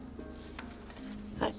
はい。